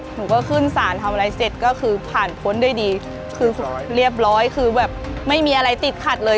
หนูก็ขึ้นสารทำอะไรเสร็จก็คือผ่านพ้นด้วยดีคือเรียบร้อยคือแบบไม่มีอะไรติดขัดเลย